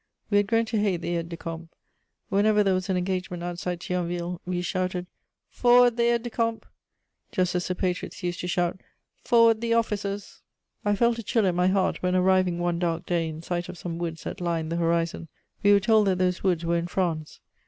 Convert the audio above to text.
We had grown to hate the aides de camp; whenever there was an engagement outside Thionville, we shouted, "Forward, the aides de camp!" just as the patriots used to shout, "Forward, the officers!" I felt a chill at my heart when, arriving one dark day in sight of some woods that lined the horizon, we were told that those woods were in France.